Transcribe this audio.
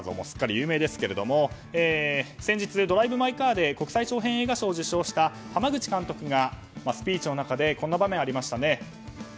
すっかり有名ですけれども先日「ドライブ・マイ・カー」で国際長編映画賞を受賞した濱口監督がスピーチの中でこんな場面がありましたね。